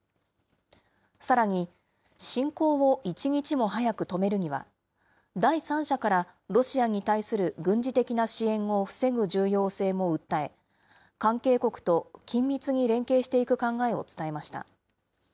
さらに、侵攻を１日も早く止めるには、第三者からロシアに対する軍事的支援を防ぐ重要性も訴え、関係国と緊密に連携していく考えを伝えました。